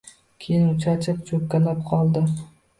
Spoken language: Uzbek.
Keyin u charchab, cho‘kkalab qoldi.